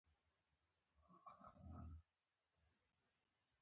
د انسان د بې انصافۍ تر منځ کشمکش دی.